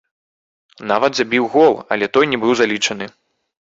Нават забіў гол, але той не быў залічаны.